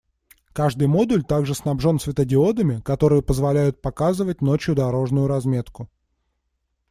Каждый модуль также снабжен светодиодами, которые позволяют «показывать» ночью дорожную разметку.